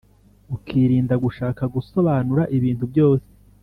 ukirinda gushaka gusobanura ibintu byose